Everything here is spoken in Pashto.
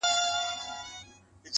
د غنمو لار د ژرندي تر خولې ده.